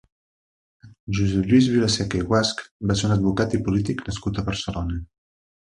Josep Lluís Vilaseca i Guasch va ser un advocat i polític nascut a Barcelona.